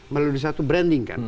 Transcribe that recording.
melalui satu branding kan